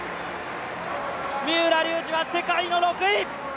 三浦龍司は世界の６位！